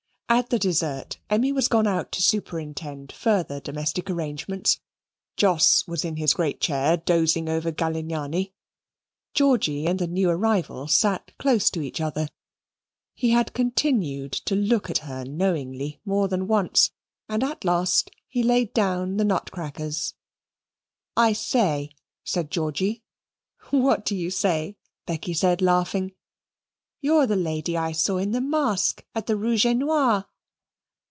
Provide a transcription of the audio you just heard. At the desert Emmy was gone out to superintend further domestic arrangements; Jos was in his great chair dozing over Galignani; Georgy and the new arrival sat close to each other he had continued to look at her knowingly more than once, and at last he laid down the nutcrackers. "I say," said Georgy. "What do you say?" Becky said, laughing. "You're the lady I saw in the mask at the Rouge et Noir."